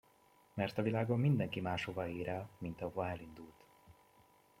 Mert a világon mindenki máshová ér el, mint ahova elindult.